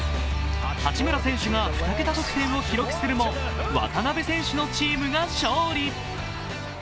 八村選手が２桁得点を入れるも、渡邊選手のチームが勝利。